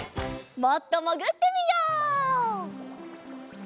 もっともぐってみよう。